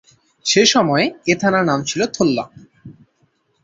সে সময়ে এ থানার নাম ছিল থোল্লা।